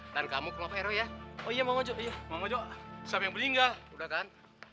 dan kamu klover oh ya oh iya mau jok jok sampai meninggal udah kan